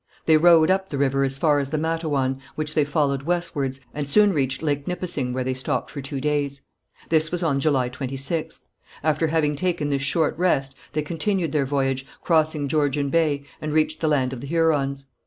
They rowed up the river as far as the Mattawan, which they followed westwards, and soon reached Lake Nipissing where they stopped for two days. This was on July 26th. After having taken this short rest, they continued their voyage, crossing Georgian Bay, and reached the land of the Hurons.